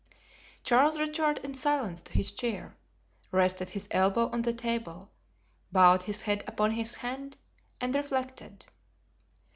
Charles returned in silence to his chair, rested his elbow on the table, bowed his head upon his hand and reflected.